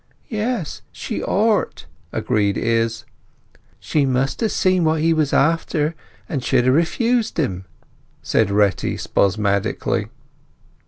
"Yes, she ought," agreed Izz. "She must have seen what he was after, and should ha' refused him," cried Retty spasmodically.